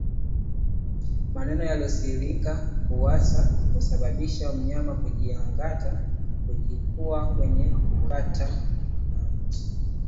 Maeneo yaliyoathirika huwasha na kusababisha mnyama kujingata na kujikuna kwenye kuta na miti